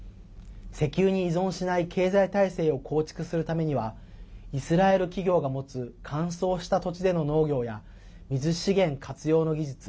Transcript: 石油に依存しない経済体制を構築するためにはイスラエル企業が持つ乾燥した土地での農業や水資源活用の技術